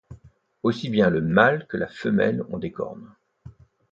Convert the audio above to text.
Aussi bien le mâle que la femelle ont des cornes.